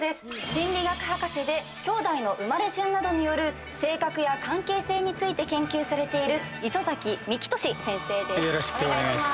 心理学博士できょうだいの生まれ順などによる性格や関係性について研究されている磯崎三喜年先生です。